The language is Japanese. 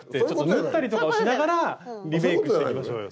縫ったりとかをしながらリメイクしていきましょうよ。